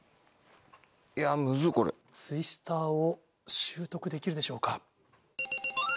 「ツイスター」を習得できるでしょうか。